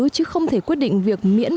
chứ không thể quyết định việc miễn